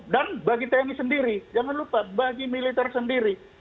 dan bagi tni sendiri jangan lupa bagi militer sendiri